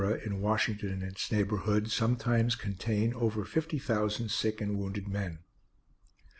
in Washington and its neighborhood, sometimes contain over fifty thousand sick and wounded men.